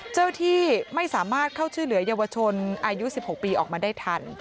ที่ไม่สามารถเข้าช่วยเหลือเยาวชนอายุ๑๖ปีออกมาได้ทัน